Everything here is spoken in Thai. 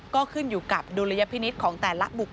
ก็ขึ้นอยู่กับดุลยพินิษฐ์ของแต่ละบุคค